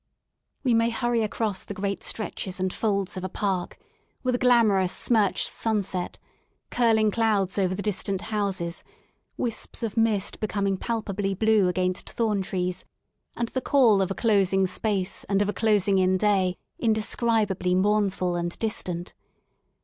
We may hurry across the great stretches and folds of a park, with a glamorous smirched sunset, curling clouds over the distant houses, wisps of mist becoming palpably blue against thorn trees and the call of a closing space and of a closing in day, indescribably mournful and distant.